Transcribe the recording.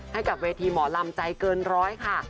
ให้กับเวทีหมอลำใจเกินร้อยค่ะ